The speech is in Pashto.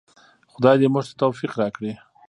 خدای دې موږ ته توفیق راکړي؟